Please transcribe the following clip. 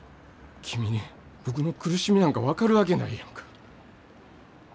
君に僕の苦しみなんか分かるわけないやんか。